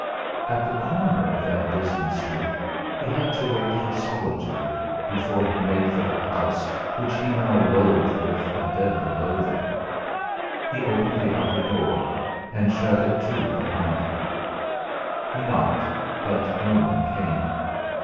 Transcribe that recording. At the corner of that dismal street he had to wait for solitude before he made for the house which he now loathed with a deadly loathing. He opened the outer door and shut it to behind him. He knocked, but no one came.